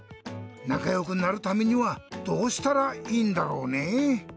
なかよくなるためにはどうしたらいいんだろうねぇ？